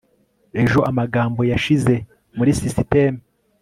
ejo amagambo yashize muri sisiteme